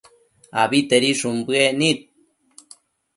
abitedishun bëec nid